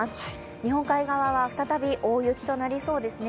日本海側は再び大雪となりそうですね。